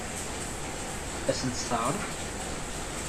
Ad sen-tt-teɛṛeḍ?